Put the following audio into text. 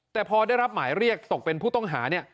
แต่พอได้รับหมายเรียกตกเป็นผู้ต้องหาเนี่ย